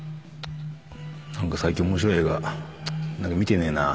何か最近面白い映画見てねえな